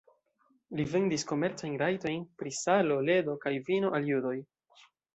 Li vendis komercajn rajtojn pri salo, ledo kaj vino al judoj.